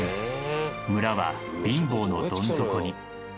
村は貧乏のどん底に。